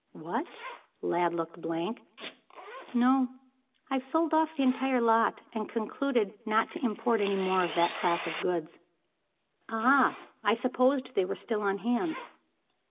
"What?" Lladd looked blank. "No. I have sold off the entire lot, and concluded not to import any more of that class of goods." "Ah? I supposed they were still on hand."